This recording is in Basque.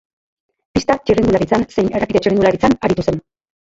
Pista txirrindularitzan zein errepide txirrindularitzan aritu zen.